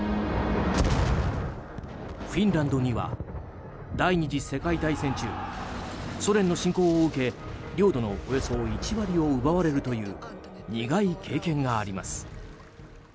フィンランドには第２次世界大戦中ソ連の侵攻を受け領土のおよそ１割を奪われたという苦い経験があります。